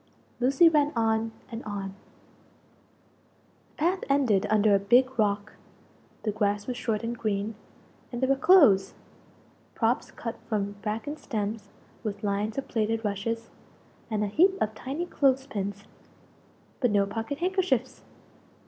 Lucie ran on, and on. The path ended under a big rock. The grass was short and green, and there were clothes props cut from bracken stems, with lines of plaited rushes, and a heap of tiny clothes pins but no pocket handkerchiefs!